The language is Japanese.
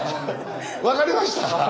分かりました？